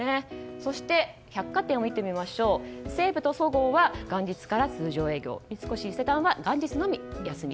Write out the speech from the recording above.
そして、百貨店を見てみると西武とそごうは元日から通常営業三越伊勢丹は元日のみ休み。